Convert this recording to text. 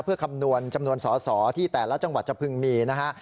เพื่อคำนวณจำนวนสอสอที่แต่ละจังหวัดจะพึงมีนะฮะ